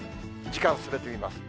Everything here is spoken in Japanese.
時間を進めてみます。